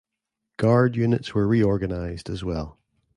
Guard units were reorganized as well.